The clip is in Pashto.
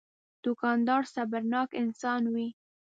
دوکاندار صبرناک انسان وي.